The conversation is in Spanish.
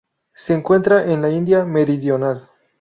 Se encuentra en la India meridional.